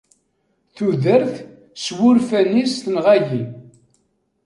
Tudert, s wurfan-is, tenɣa-yi.